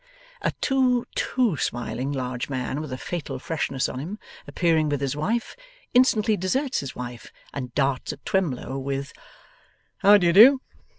A too, too smiling large man, with a fatal freshness on him, appearing with his wife, instantly deserts his wife and darts at Twemlow with: 'How do you do?